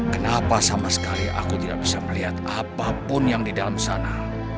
kenapa sama sekali aku tidak bisa melihat apapun yang di dalam sana